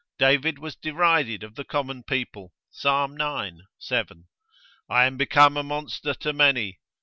David was derided of the common people, Ps. ix. 7, I am become a monster to many.